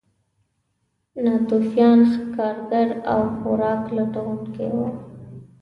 ناتوفیان ښکارګر او خوراک لټونکي وو.